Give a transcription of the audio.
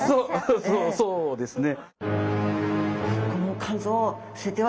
そそうですね。